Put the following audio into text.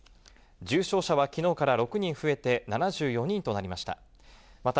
重症者はきのうから６人増えて７４人となりました。